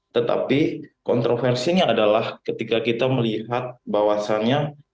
tetapi kontroversinya adalah ketika kita melihat bahwasannya